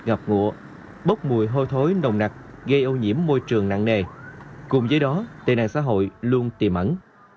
ngập ngụa bốc mùi hôi thối nồng nặc gây ô nhiễm môi trường nặng nề cùng với đó tê nạn xã hội luôn tìm ẩn